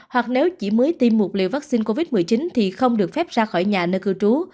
hoặc nếu chỉ mới tiêm một liều vaccine covid một mươi chín thì không được phép ra khỏi nhà nơi cư trú